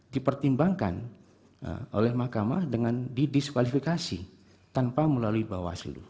dipertimbangkan oleh mahkamah dengan didiskualifikasi tanpa melalui bawaslu